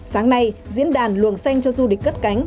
sáng nay diễn đàn luồng xanh cho du lịch cất cánh